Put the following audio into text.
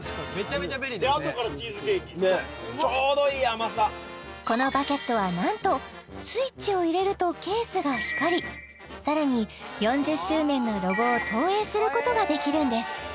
おいしいこれこのバケットはなんとスイッチを入れるとケースが光りさらに４０周年のロゴを投影することができるんです